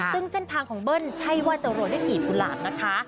ซึ่งเส้นทางของเบิ้ลใช่ว่าจะโหลดได้นี่สุดหลังนะคะ